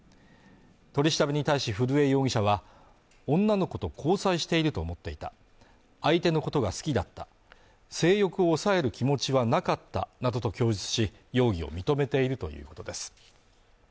取り調べに対し古江容疑者は女の子と交際していると思っていた相手のことが好きだった性欲を抑える気持ちはなかったなどと供述し容疑を認めているということです